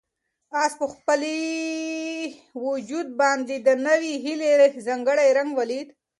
آس په خپل وجود باندې د نوې هیلې ځانګړی رنګ ولید.